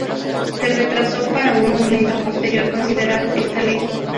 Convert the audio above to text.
Se retrasó para un momento posterior considerar esta ley.